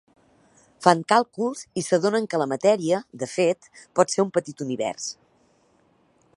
Fan càlculs i s'adonen que la matèria, de fet, pot ser un petit univers.